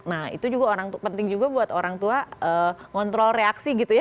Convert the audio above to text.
nah itu juga orang penting juga buat orang tua ngontrol reaksi gitu ya